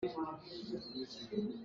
Nangmah ruangah sianginn ka kai kho.